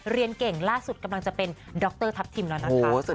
เรียนเก่งล่าสุดกำลังจะเป็นดรทัพทิมแล้วนะคะ